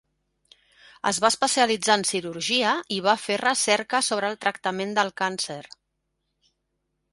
Es va especialitzar en cirurgia y va fer recerca sobre el tractament del càcer.